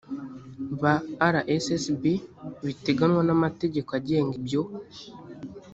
ba rssb biteganywa n amategeko agenga ibyo